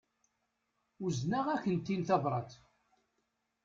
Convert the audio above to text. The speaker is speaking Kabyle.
Uzneɣ-akent-in tabrat.